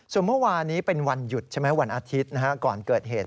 ส่วนเมื่อวานี้เป็นวันหยุดใช่ไหมวันอาทิตย์ก่อนเกิดเหตุ